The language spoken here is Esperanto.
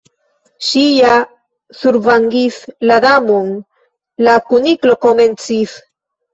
"Ŝi ja survangis la Damon—" la Kuniklo komencis.